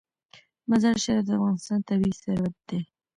مزارشریف د افغانستان طبعي ثروت دی.